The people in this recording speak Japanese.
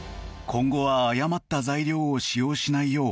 今後は誤った材料を使用しないよう